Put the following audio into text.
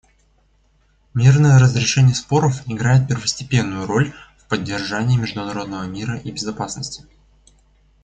Мирное разрешение споров играет первостепенную роль в поддержании международного мира и безопасности.